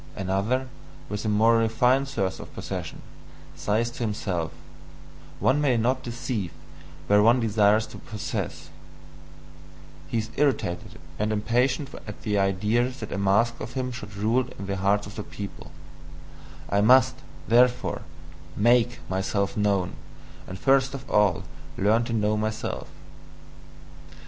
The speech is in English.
Another, with a more refined thirst for possession, says to himself: "One may not deceive where one desires to possess" he is irritated and impatient at the idea that a mask of him should rule in the hearts of the people: "I must, therefore, MAKE myself known, and first of all learn to know myself!"